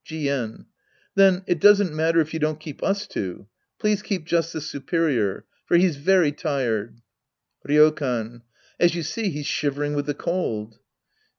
Jieju Then, it doesn't matter if you don't keep us two. Please keep just the superior. For he's very tired. Ryokan. As you see, he's shivering v/ith the cold.